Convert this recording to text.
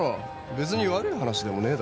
別に悪い話でもねえだろ。